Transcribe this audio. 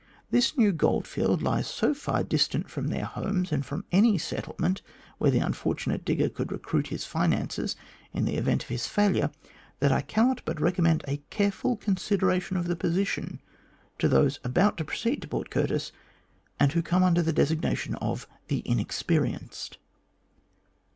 This new goldfield lies so far distant from their homes, and from any settlement where the unfortunate digger could recruit his finances in the event of his failure, that I cannot but recom mend a careful consideration of the position to those about to proceed to Port Curtis, and who come under the designation of the inexperienced."